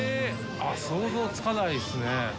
想像つかないですね。